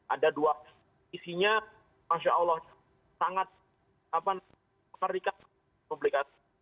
ada dua isinya masya allah sangat apa terikat publikasi